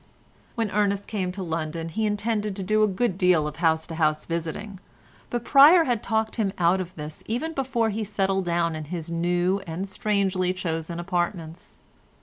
When Ernest came to London he intended doing a good deal of house to house visiting, but Pryer had talked him out of this even before he settled down in his new and strangely chosen apartments.